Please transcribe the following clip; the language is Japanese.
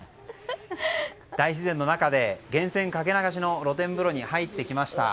大自然の中で源泉かけ流しの露天風呂に入ってきました。